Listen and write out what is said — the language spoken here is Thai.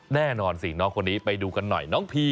แน่นอนสิน้องคนนี้ไปดูกันหน่อย